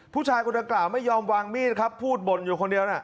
ผู้ชายคนดังกล่าวไม่ยอมวางมีดครับพูดบ่นอยู่คนเดียวน่ะ